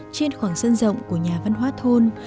trên khoảng sân rộng của nhà văn hóa thôn